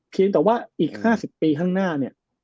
เพียงแต่ว่าอีก๕๐ปีข้างหน้าเนี่ย